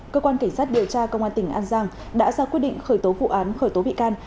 cơ quan cảnh sát điều tra công an tỉnh an giang đã ra quyết định khởi tố vụ án khởi tố bị can